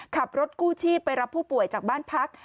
ขับรถกู้ชีพไปรับผู้ป่วยจากบ้านพัก